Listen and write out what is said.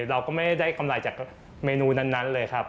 เราก็ไม่ได้กำไรจากเมนูนั้นเลยครับ